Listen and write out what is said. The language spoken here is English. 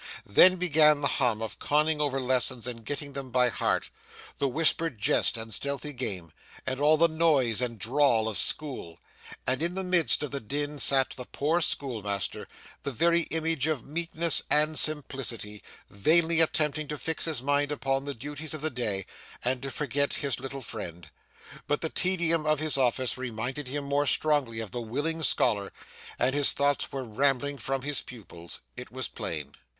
Then began the hum of conning over lessons and getting them by heart, the whispered jest and stealthy game, and all the noise and drawl of school; and in the midst of the din sat the poor schoolmaster, the very image of meekness and simplicity, vainly attempting to fix his mind upon the duties of the day, and to forget his little friend. But the tedium of his office reminded him more strongly of the willing scholar, and his thoughts were rambling from his pupils it was plain.